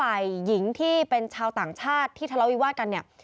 แต่ปรากฏว่าฝ่ายหญิงที่เป็นชาวต่างชาติที่ทะเลาวิวาสกัน